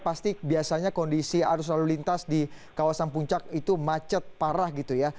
pasti biasanya kondisi arus lalu lintas di kawasan puncak itu macet parah gitu ya